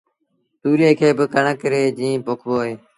تُوريئي کي با ڪڻڪ ري جيٚن پوکبو اهي